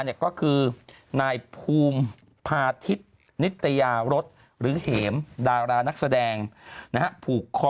ก็คือนายภูมิพาทิศนิตยารสหรือเหมดารานักแสดงผูกคอ